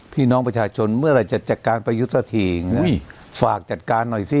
พี่น้องประชาชนเมื่อไหร่จะจัดการประยุทธ์สักทีฝากจัดการหน่อยสิ